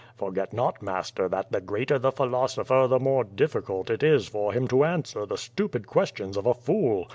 Forget not, master, that the greater the philosopher the more difficult it is for him to answer the stupid ques tions of a fool.